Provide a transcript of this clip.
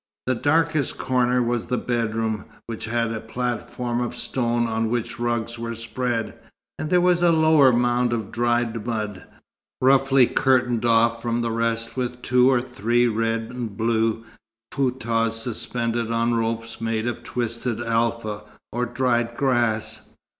The darkest corner was the bedroom, which had a platform of stone on which rugs were spread, and there was a lower mound of dried mud, roughly curtained off from the rest with two or three red and blue foutahs suspended on ropes made of twisted alfa, or dried grass.